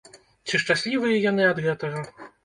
Ці шчаслівыя яны ад гэтага?